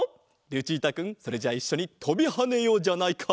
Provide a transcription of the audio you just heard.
ルチータくんそれじゃあいっしょにとびはねようじゃないか。